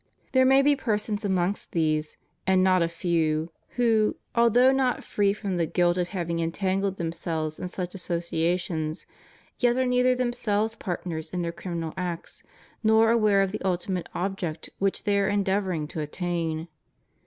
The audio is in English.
There may be persons amongst these, and not a few, who, although not free from the guilt of having entangled themselves ii^ such associations, yet are neither themselves partners in their criminal acts, nor aware of the ultimate object which they are endeavoring to attain.